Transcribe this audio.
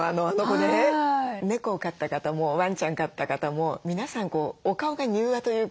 猫を飼った方もワンちゃん飼った方も皆さんお顔が柔和というかね